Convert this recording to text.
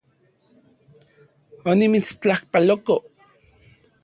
Onimitstlajpaloko